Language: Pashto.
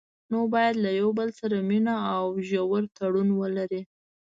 نو باید له یو بل سره مینه او ژور تړون ولري.